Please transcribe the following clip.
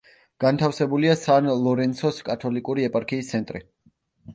განთავსებულია სან-ლორენსოს კათოლიკური ეპარქიის ცენტრი.